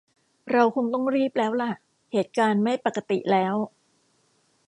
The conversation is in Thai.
เราคงต้องรีบแล้วละ เหตุการณ์ไม่ปกติแล้ว